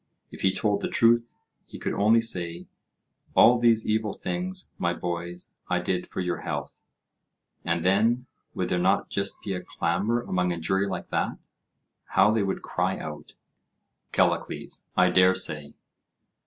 If he told the truth he could only say, "All these evil things, my boys, I did for your health," and then would there not just be a clamour among a jury like that? How they would cry out! CALLICLES: I dare say.